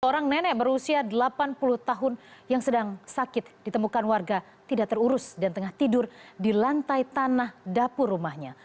seorang nenek berusia delapan puluh tahun yang sedang sakit ditemukan warga tidak terurus dan tengah tidur di lantai tanah dapur rumahnya